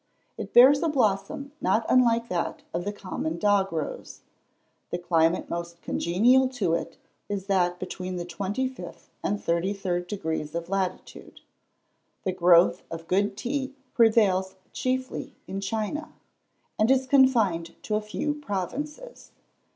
It bears a blossom not unlike that of the common dog rose. The climate most congenial to it is that between the 25th and 33rd degrees of latitude. The growth of good tea prevails chiefly in China, and is confined to a few provinces.